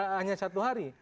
hanya satu hari